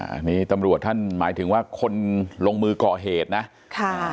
อันนี้ตำรวจท่านหมายถึงว่าคนลงมือก่อเหตุนะค่ะ